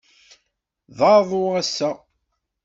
D aḍu, ass-a.